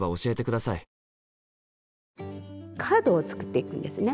カードを作っていくんですね。